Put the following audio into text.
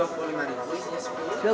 oke saya mau satu deh